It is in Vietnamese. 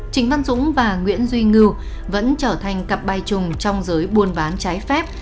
trịnh văn dũng và nguyễn duy ngư vẫn trở thành cặp bay chùng trong giới buôn bán trái phép